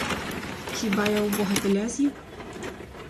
Хіба я у бога теля з'їв?